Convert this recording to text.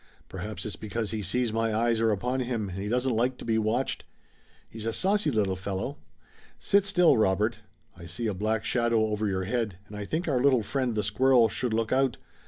Perhaps it's because he sees my eyes are upon him and he doesn't like to be watched. He's a saucy little fellow. Sit still, Robert! I see a black shadow over your head, and I think our little friend, the squirrel, should look out.